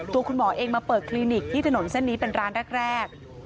ตัวคุณหมอเองมาเปิดคลินิกที่ถนนเส้นนี้เป็นร้านแรก